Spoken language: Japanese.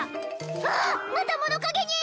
あっまた物陰に！